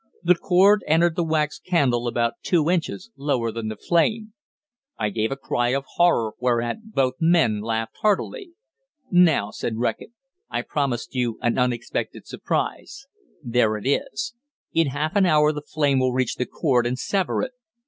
The cord entered the wax candle about two inches lower than the flame. I gave a cry of horror, whereat both men laughed heartily. "Now," said Reckitt, "I promised you an unexpected surprise. There it is! In half an hour the flame will reach the cord, and sever it.